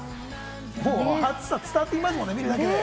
もう、暑さが伝わってきますよね、見るだけで。